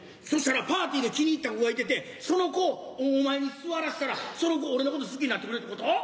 そしたらパーティーで気に入った子がいててその子をお前に座らしたらその子俺のこと好きになってくれるってこと？